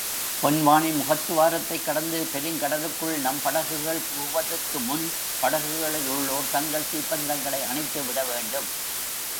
பொன்வானி முகத்துவாரத்தைக் கடந்து பெருங்கடலுக்குள் நம் படகுகள் புகுவதற்கு முன் படகுகளில் உள்ளோர் தங்கள் தீப்பந்தங்களை அணைத்துவிடவேண்டும்.